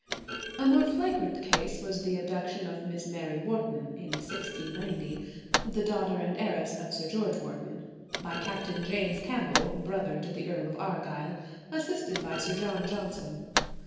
A more flagrant case was the abduction of Miss Mary Wharton in 1690, the daughter and heiress of Sir George Wharton, by Captain James Campbell, brother to the Earl of Argyll, assisted by Sir John Johnson.